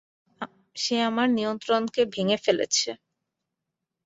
সে আমার নিয়ন্ত্রণকে ভেঙ্গে ফেলেছে।